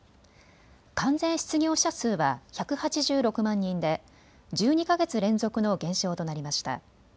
完全失業者数は１８６万人で１２か月連続の減少となりました。